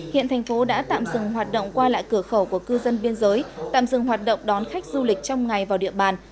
hiện thành phố đã tạm dừng hoạt động qua lại cửa khẩu của cư dân biên giới tạm dừng hoạt động đón khách du lịch trong ngày vào địa bàn